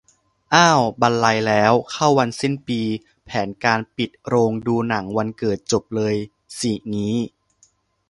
อ้าว บรรลัยแล้ว เข้าวันสิ้นปี แผนการปิดโรงดูหนังวันเกิดจบเลยสิงี้